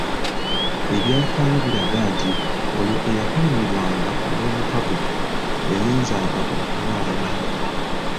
Ebyafaayo biraga nti oyo eyakolimirwanga olw’omukago yayinzanga okulwala n’afa.